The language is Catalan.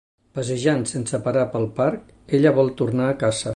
Passejant sense parar pel parc, ella vol tornar a casa.